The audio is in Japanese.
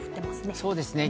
そうですね。